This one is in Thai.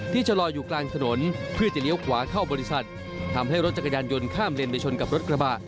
ชะลอยอยู่กลางถนนเพื่อจะเลี้ยวขวาเข้าบริษัททำให้รถจักรยานยนต์ข้ามเลนไปชนกับรถกระบะ